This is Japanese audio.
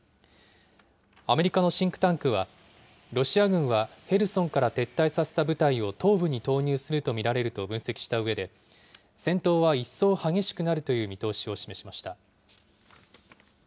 アメリカのシンクタンクは、ロシア軍はヘルソンから撤退させた部隊を東部に投入すると見られると分析したうえで、戦闘は一層激しくなるという見通しを示しました。